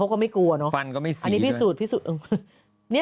เขาก็ไม่กลัวอันนี้พิสูจน์